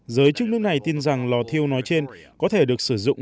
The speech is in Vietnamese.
giới chức nước này tin rằng lò thiêu nói trên có thể được sử dụng